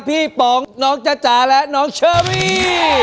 ป๋องน้องจ๊ะจ๋าและน้องเชอรี่